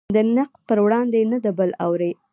د نقد پر وړاندې نه د بل اوري.